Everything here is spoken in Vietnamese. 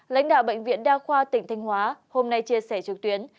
lãnh đạo bệnh viện đa khoa tỉnh thanh hóa hôm nay chia sẻ trực tuyến